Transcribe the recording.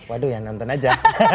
waduh ya nonton aja